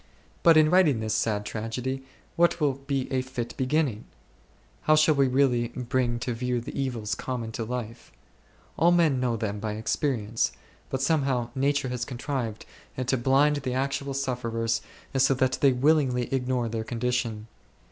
But in writing this sad tragedy what will be a fit beginning ? How shall we really bring to view the evils common to life ? All men know them by experience, but somehow nature has con trived to blind the actual sufferers so that they willingly ignore their condition.